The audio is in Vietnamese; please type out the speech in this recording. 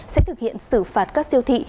sẽ thực hiện xử phạt các siêu thị